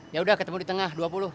yaudah ketemu di tengah dua puluh